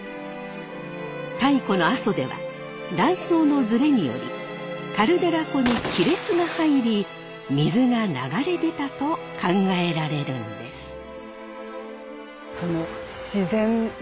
太古の阿蘇では断層のズレによりカルデラ湖に亀裂が入り水が流れ出たと考えられるんです。